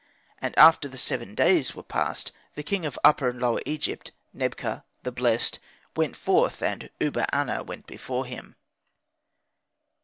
And after the seven days were passed, the king of Upper and Lower Egypt, Nebka, the blessed, went forth, and Uba aner went before him.